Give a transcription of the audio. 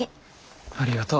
ありがとう。